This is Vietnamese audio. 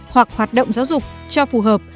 hoặc hoạt động giáo dục cho phù hợp